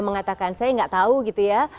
mengatakan saya nggak tahu gitu ya